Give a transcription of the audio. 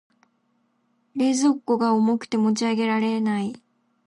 冷蔵庫が重くて持ち上げられない。